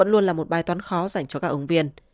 luôn là một bài toán khó dành cho các ứng viên